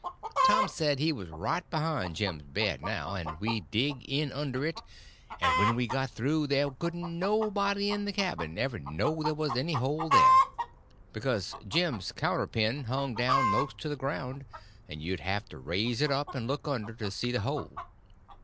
Tom said he was right behind Jim's bed now, and we'd dig in under it, and when we got through there couldn't nobody in the cabin ever know there was any hole there, because Jim's counter pin hung down most to the ground, and you'd have to raise it up and look under to see the hole.